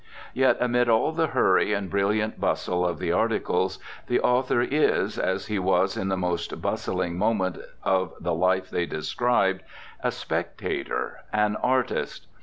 Yet, amid all the hurry and brilliant bustle of the articles, the author is, as he was in the most bustling moment of the life they described, a spectator, an artist.